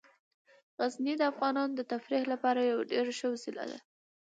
غزني د افغانانو د تفریح لپاره یوه ډیره ښه وسیله ده.